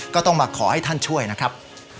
ก็ต้องมาขอให้ท่านช่วยนะครับ